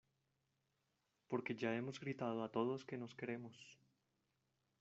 porque ya hemos gritado a todos que nos queremos